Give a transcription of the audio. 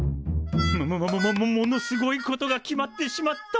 ももももももものすごいことが決まってしまった！